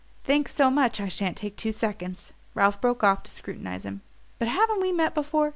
"Thanks so much I shan't take two seconds." Ralph broke off to scrutinize him. "But haven't we met before?